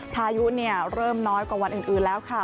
พายุเริ่มน้อยกว่าวันอื่นแล้วค่ะ